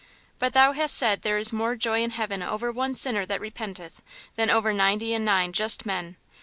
But Thou hast said there is more joy in heaven over one sinner that repenteth than over ninety and nine just men.